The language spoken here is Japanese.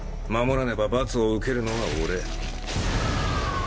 守らねば罰を受けるのは俺。